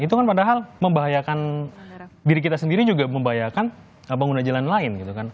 itu kan padahal membahayakan diri kita sendiri juga membahayakan pengguna jalan lain gitu kan